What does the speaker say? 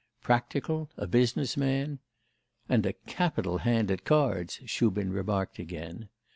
Practical, a business man ' 'And a capital hand at cards,' Shubin remarked again.